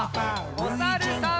おさるさん。